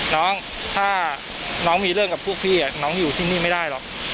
น้องถ้าน้องมีเรื่องกับพวกพี่น้องอยู่ที่นี่ไม่ได้หรอก